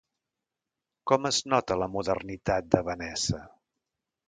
Com es nota la modernitat de Vanessa?